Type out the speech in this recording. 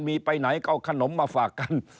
มีไปไหนก็เอาขนมมาฝากกัน